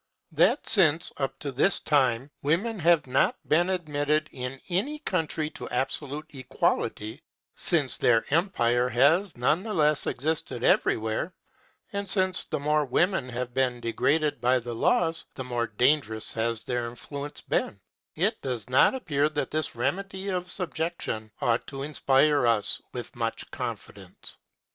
That since, up to this time, women have not been admitted in any country to absolute equality; since their empire has none the less existed everywhere; and since the more women have been degraded by the laws, the more dangerous has their influence been; it does not appear that this remedy of subjection ought to inspire us with much confidence.